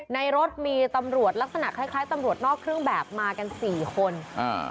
ในรถมีตำรวจลักษณะคล้ายคล้ายตำรวจนอกเครื่องแบบมากันสี่คนอ่า